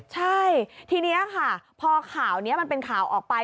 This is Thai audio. ใช่ทีนี้ค่ะพอข่าวนี้มันเป็นข่าวออกไป